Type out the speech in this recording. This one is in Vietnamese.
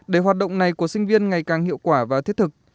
để hoạt động này của sinh viên ngày càng hiệu quả và thiết thực